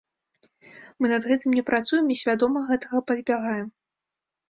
Мы над гэтым не працуем і свядома гэтага пазбягаем.